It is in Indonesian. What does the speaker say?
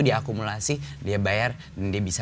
dia akumulasi dia bayar dan dia bisa